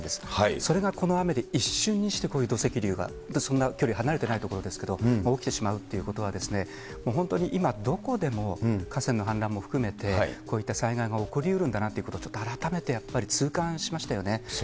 それがこの雨で一瞬にしてこういう土石流が、そんな距離離れてない所ですけれども、起きてしまうということは、本当に今、どこでも河川の氾濫も含めて、こういった災害が起こりうるんだなということをちょっと改めてやそうですね。